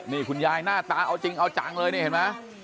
นี่คุณยายหน้าตาเอาจริงเอาจังเลยนี่เห็นไหม